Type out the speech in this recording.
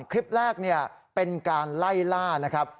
คลิปแรกเป็นการไล่ล่านะครับ